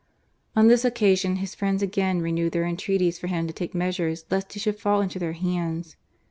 On this occasion his friends again renewed their entreaties for him to take measures Ifist he should fall into their hands.